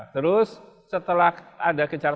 terus setelah ada kejar